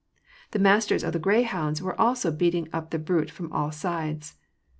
The masters of the grey hounds also were beating up the brute from all sides.